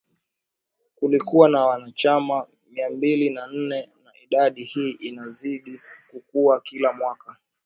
kulikuwa na wanachama mia mbili na nne na idadi hii inazidi kukua kila mwaka